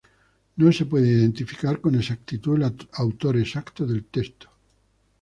No se puede identificar con exactitud el autor exacto del texto.